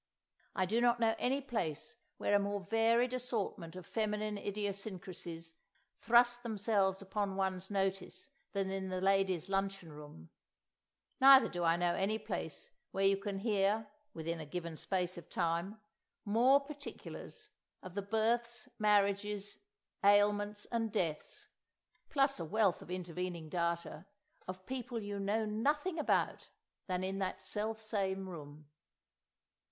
I do not know any place where a more varied assortment of feminine idiosyncrasies thrust themselves upon one's notice than in the ladies' luncheon room; neither do I know any place where you can hear, within a given space of time, more particulars of the births, marriages, ailments and deaths—plus a wealth of intervening data—of people you know nothing about, than in that self same room.